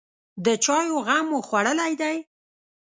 _د چايو غم مو خوړلی دی؟